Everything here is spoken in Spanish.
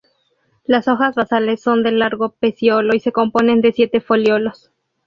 Las hojas basales son de largo pecíolo y se componen de siete foliolos.